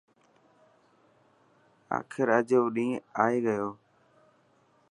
آخر اڄ او ڏينهن آي گيو.